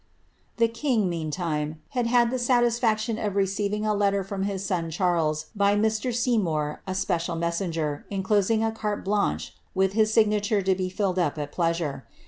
The king, meantime, had had the satisfaction of receiving a letter from his son Charles, by Mr. Seymour, a special messenger^ encloeing a carte blanche^ with his signature to be filled up at pleasure.